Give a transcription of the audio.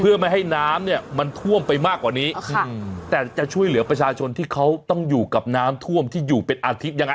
เพื่อไม่ให้น้ำเนี่ยมันท่วมไปมากกว่านี้แต่จะช่วยเหลือประชาชนที่เขาต้องอยู่กับน้ำท่วมที่อยู่เป็นอาทิตย์ยังไง